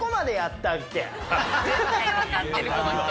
絶対分かってるこの人。